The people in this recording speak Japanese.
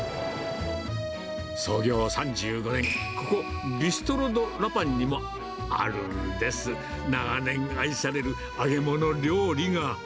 創業３５年、ここ、ビストロ・ド・ラパンにもあるんです、長年愛される揚げ物料理が。